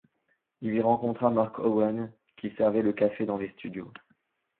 Il y rencontra Mark Owen qui servait le café dans les studios.